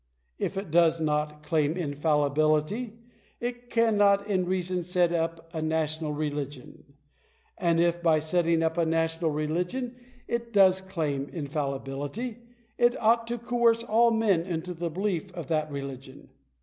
If it does not claim infallibility, it cannot in reason set up a national re ligion ; and if, by setting up a national religion, it does claim infallibility, it ought to coerce all mien into the belief of that religion.